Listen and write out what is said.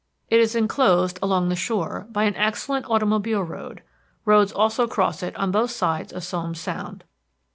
It is enclosed, along the shore, by an excellent automobile road; roads also cross it on both sides of Somes Sound.